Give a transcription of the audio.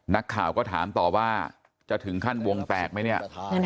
นักข่าวก็ถามต่อว่าจะถึงขั้นวงแตกไหมเนี่ย